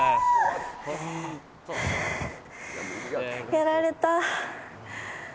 やられた。